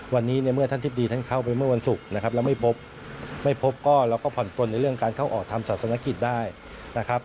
วันนี้ในเมื่อท่านทิบดีท่านเข้าไปเมื่อวันศุกร์นะครับแล้วไม่พบไม่พบก็เราก็ผ่อนปลนในเรื่องการเข้าออกทำศาสนกิจได้นะครับ